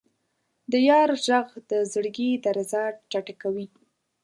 د یار ږغ د زړګي درزا چټکوي.